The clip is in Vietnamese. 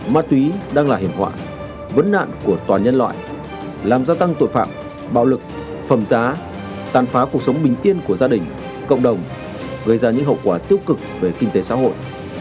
ma túy đang là hiểm họa vấn nạn của toàn nhân loại làm gia tăng tội phạm bạo lực phẩm giá tàn phá cuộc sống bình yên của gia đình cộng đồng gây ra những hậu quả tiêu cực về kinh tế xã hội